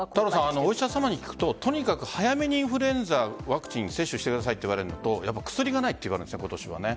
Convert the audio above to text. お医者さんにとにかく早めにインフルエンザワクチン接種してくださいって言われるのと薬がないという話ですよね今年は。